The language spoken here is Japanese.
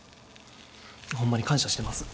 ホンマに感謝してます。